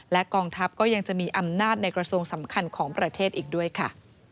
และกองทัพก็ยังจะมีอำนาจในกระทรวงสำคัญของประเทศอีกด้วยค่ะ